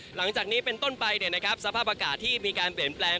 หลังจากนี้เป็นต้นไปสภาพอากาศที่มีการเปลี่ยนแปลง